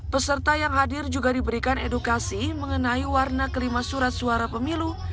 peserta yang hadir juga diberikan edukasi mengenai warna kelima surat suara pemilu